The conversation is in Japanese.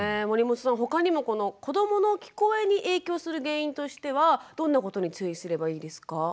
守本さん他にもこの子どもの聞こえに影響する原因としてはどんなことに注意すればいいですか？